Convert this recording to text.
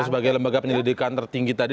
sebagai lembaga penyelidikan tertinggi tadi